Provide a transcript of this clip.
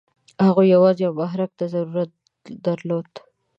هغه یوازې یوه محرک ته ضرورت درلود.